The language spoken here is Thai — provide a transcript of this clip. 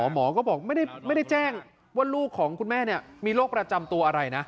หมอก็บอกไม่ได้แจ้งว่าลูกของคุณแม่มีโรคประจำตัวอะไรนะ